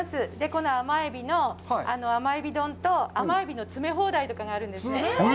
この甘えびの甘えび丼と甘えびの詰め放題とかがあるんですね。